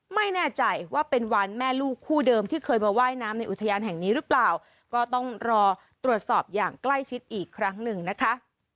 ไม่แน่ใจว่าเป็นวันแม่ลูกคู่เดิมที่เคยมาว่ายน้ำในอุทยานแห่งนี้หรือเปล่าก็ต้องรอตรวจสอบอย่างใกล้ชิดอีกครั้งหนึ่งนะคะ